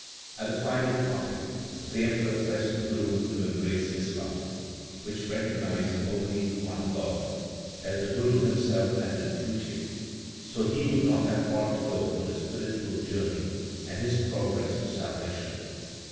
At the final parting, the Emperor pressed the Guru to embrace Islam, which recognized only one God, as the Guru himself had been preaching, so he would not have far to go on his spiritual journey and his progress to salvation.